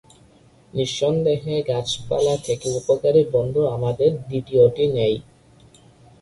নিঃসন্দেহে গাছপালা থেকে উপকারী বন্ধু আমাদের দ্বিতীয়টি নেই।